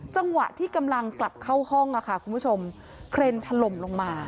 จังหวะที่กำลังกลับเข้าห้องคุณผู้ชมเครนถล่มลงมา